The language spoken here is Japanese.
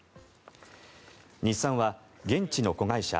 日産は現地の子会社